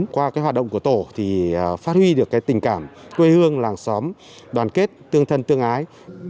qua hoạt động của tổ thì phát huy được tình cảm quê hương làng xóm đoàn kết tương thân tương ái